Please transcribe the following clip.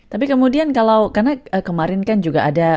tapi kemudian kalau karena kemarin kan juga ada